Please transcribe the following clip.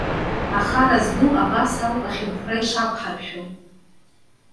Ахара зду, абас ауп ахьырхәра ишақәҳаршәо!